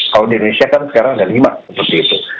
kalau di indonesia kan sekarang ada lima seperti itu